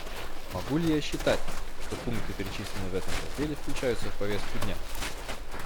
Могу ли я считать, что пункты, перечисленные в этом разделе, включаются в повестку дня?